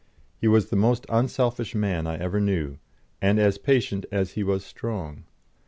He was the most unselfish man I ever knew, and as patient as he was strong.